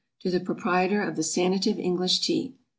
To the Proprietor of the Sanative English TEA.